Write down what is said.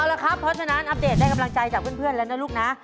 เอาละครับเพราะฉะนั้นอัปเดตได้กำลังใจจากเพื่อนแล้วนะลูกนะ